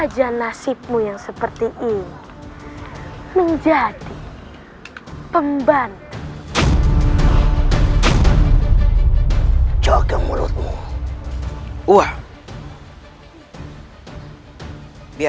kenapa kesaktian ini bisa kembali